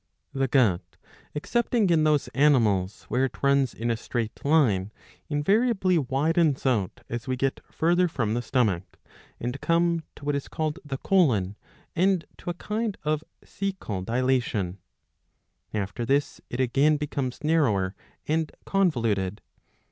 2^ The gut, excepting in those animals where it runs in a straight line, invariably widens out as we get farther from the stomach and come to what is called the colon and to a kind of 675b. 90 iii. 14. • caecal dilatation. After this it again becomes narrower and con voluted.